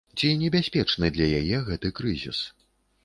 Ці небяспечны для яе гэты крызіс?